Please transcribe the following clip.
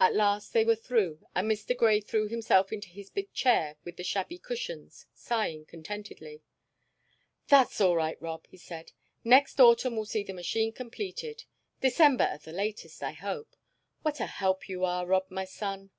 At last they were through, and Mr. Grey threw himself into his big chair with the shabby cushions, sighing contentedly. "That's all right, Rob," he said. "Next autumn will see the machine completed December at the latest, I hope. What a help you are, Rob, my son!"